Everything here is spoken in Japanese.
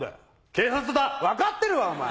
警察だ！分かってるわ！